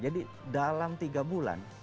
jadi dalam tiga bulan